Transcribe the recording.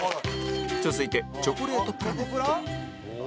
続いてチョコレートプラネット